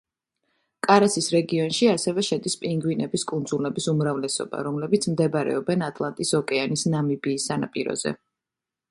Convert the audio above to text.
კარასის რეგიონში ასევე შედის პინგვინების კუნძულების უმრავლესობა, რომლებიც მდებარეობენ ატლანტის ოკეანის ნამიბიის სანაპიროზე.